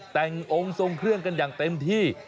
แต่งองค์ทรงเครื่องกันอย่างเต็มที่